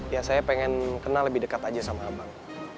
ya saya pengen kenal lebih dekat aja sama abang